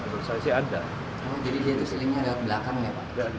jadi dia tuh selingnya lewat belakang ya pak